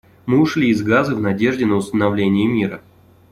Мы ушли из Газы в надежде на установление мира.